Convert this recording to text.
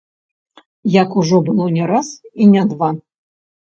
Як ужо было не раз і не два.